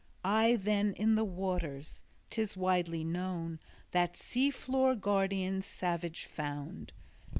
I then in the waters 'tis widely known that sea floor guardian savage found.